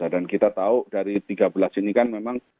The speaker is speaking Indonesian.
dan kita tahu dari tiga belas ini kan memang